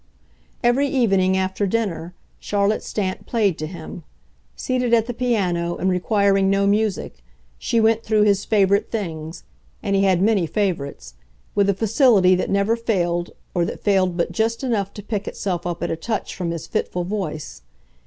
Every evening, after dinner, Charlotte Stant played to him; seated at the piano and requiring no music, she went through his "favourite things" and he had many favourites with a facility that never failed, or that failed but just enough to pick itself up at a touch from his fitful voice.